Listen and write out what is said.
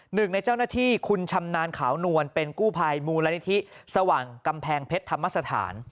หนึ่งในเจ้าหน้าที่คุณชำนาญขาวนวลเป็นกู้ภัยมูลนิธิสว่างกำแพงเพชรธรรมสถาน